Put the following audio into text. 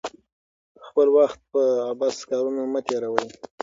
خپل وخت په عبث کارونو مه تیروئ.